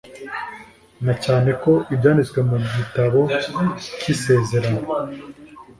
na cyane ko ibyanditswe mu gitabo kisezerano